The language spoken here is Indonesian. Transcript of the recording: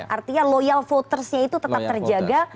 artinya loyal votersnya itu tetap terjaga